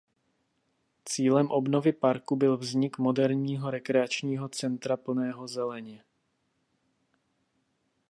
Cílem obnovy parku byl vznik moderního rekreačního centra plného zeleně.